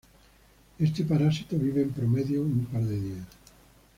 Este parásito vive en promedio un par de días.